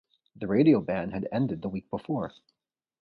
The radio ban had ended the week before.